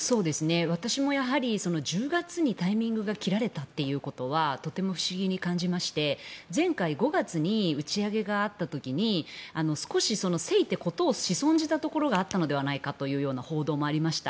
私も１０月にタイミングが切られたということはとても不思議に感じまして前回５月に打ち上げがあった時に少しせいて事をし損じたところがあったんじゃないかという報道もありました。